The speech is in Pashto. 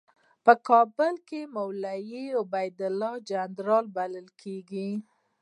په کابل کې مولوي عبیدالله جنرال بلل کېده.